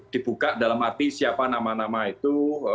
dibuka dalam arti siapa nama nama itu